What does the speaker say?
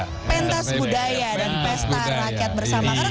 pentas budaya dan pesta rakyat bersama karena